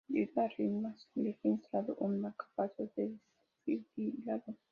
Debido a arritmias, le fue instalado un marcapasos desfibrilador.